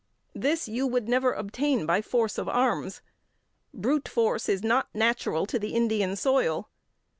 This you would never obtain by force of arms. Brute force is not natural to the Indian soil.